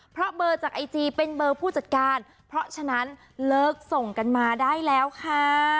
เพราะเบอร์จากไอจีเป็นเบอร์ผู้จัดการเพราะฉะนั้นเลิกส่งกันมาได้แล้วค่ะ